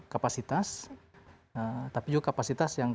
kapasitas tapi juga kapasitas yang